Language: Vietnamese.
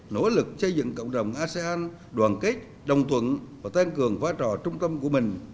nỗ lực xây dựng cộng đồng asean đoàn kết đồng thuận và tăng cường vai trò trung tâm của mình